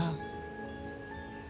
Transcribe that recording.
kemana pun mereka